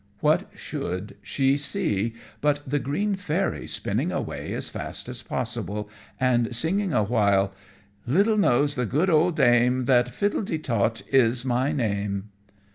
What should she see, but the green Fairy spinning away as fast as possible and singing awhile "Little knows the good old dame That Fittletetot is my name."